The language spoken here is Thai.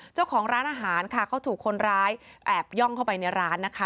เจ้าของร้านอาหารค่ะเขาถูกคนร้ายแอบย่องเข้าไปในร้านนะคะ